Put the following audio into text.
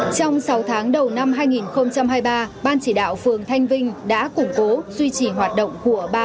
trong sáu tháng đầu năm hai nghìn hai mươi ba ban chỉ đạo phường thanh vinh đã củng cố duy trì hoạt động của